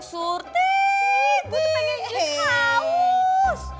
surti gue tuh pengen jahaus